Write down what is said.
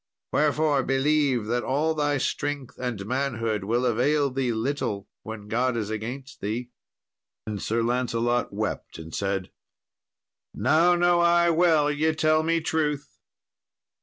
Wherefore, believe that all thy strength and manhood will avail thee little, when God is against thee." Then Sir Lancelot wept and said, "Now know I well ye tell me truth."